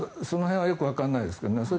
その辺はよくわからないですけどね。